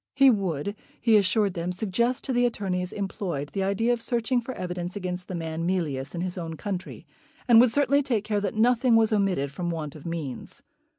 He would, he assured them, suggest to the attorneys employed the idea of searching for evidence against the man Mealyus in his own country, and would certainly take care that nothing was omitted from want of means.